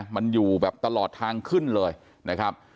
มันอยู่แบบตลอดทางขึ้นเลยนะครับ